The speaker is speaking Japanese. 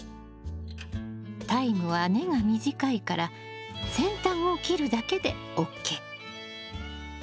タイムは根が短いから先端を切るだけでＯＫ。